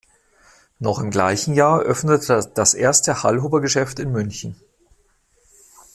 Noch im gleichen Jahr öffnete das erste Hallhuber-Geschäft in München.